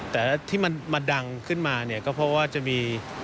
แต่ที่มันมาดังขึ้นมาเนี่ยก็เพราะว่าจะมี